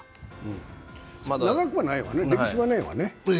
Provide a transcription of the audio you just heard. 長くはないわね、歴史はないわね。